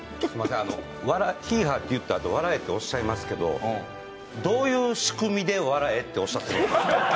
ヒーハーって言ったあと笑えとおっしゃいますけどどういう仕組みで笑えっておっしゃってるんですか？